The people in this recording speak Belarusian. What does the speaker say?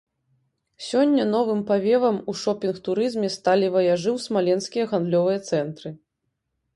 Сёння новым павевам у шопінг-турызме сталі ваяжы ў смаленскія гандлёвыя цэнтры.